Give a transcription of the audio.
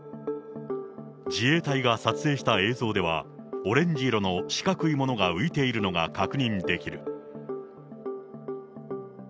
自衛隊が撮影した映像では、オレンジ色の四角いものが浮いているのが確認できる。